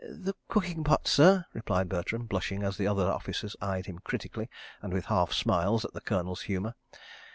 "The cooking pots, sir," replied Bertram, blushing as the other officers eyed him critically and with half smiles at the Colonel's humour.